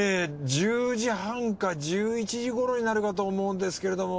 １０時半か１１時ごろになるかと思うんですけれども。